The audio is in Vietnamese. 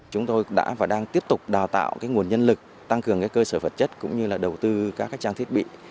chúng tôi đã và đang tiếp tục đào tạo nguồn nhân lực tăng cường cơ sở vật chất cũng như là đầu tư các trang thiết bị